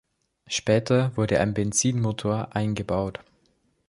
Später wurde ein Benzinmotor eingebaut.